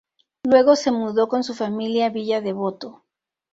Luego se mudó con su familia a Villa Devoto.